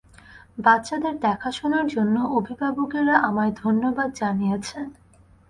বাচ্চাদের দেখাশোনার জন্য অভিভাবকেরা আমায় ধন্যবাদ জানিয়েছে।